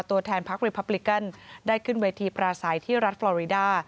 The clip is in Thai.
ตัวแทนพลัคริพับลิกัลได้ขึ้นวัยที่ประสายที่รัฐฟลอรีดา